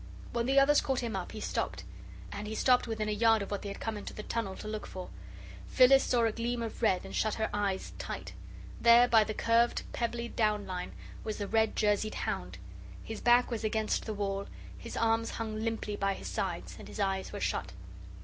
When the others caught him up, he stopped. And he stopped within a yard of what they had come into the tunnel to look for. Phyllis saw a gleam of red, and shut her eyes tight. There, by the curved, pebbly down line, was the red jerseyed hound. His back was against the wall, his arms hung limply by his sides, and his eyes were shut.